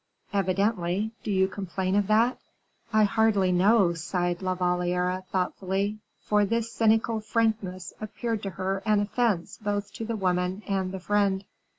"Evidently. Do you complain of that?" "I hardly know," sighed La Valliere, thoughtfully, for this cynical frankness appeared to her an offense both to the woman and the friend.